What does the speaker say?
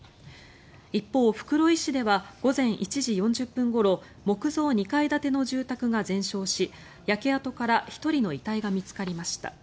一方、袋井市では午前１時４０分ごろ木造２階建ての住宅が全焼し焼け跡から１人の遺体が見つかりました。